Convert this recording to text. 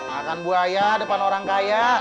makan buaya depan orang kaya